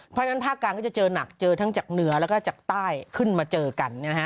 เพราะฉะนั้นภาคกลางก็จะเจอหนักเจอทั้งจากเหนือแล้วก็จากใต้ขึ้นมาเจอกัน